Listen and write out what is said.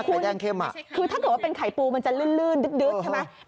ไข่แดงเข้มอ่ะคือถ้าเกิดว่าเป็นไข่ปูมันจะลื่นดึ๊ดใช่ไหม